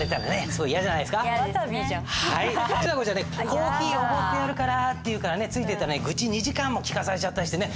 「コーヒーおごってやるから」って言うからついて行ったらねグチ２時間も聞かされちゃったりしてね。